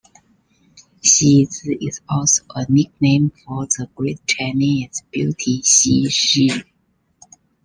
Xizi is also a nickname for the great Chinese beauty Xi Shi.